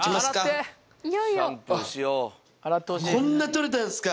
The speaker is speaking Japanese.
こんな取れたんすか！